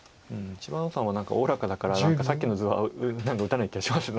芝野さんは何かおおらかだからさっきの図は打たない気がします